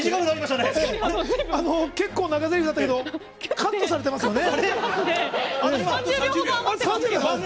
結構、長ぜりふあったけどカットされてますよね？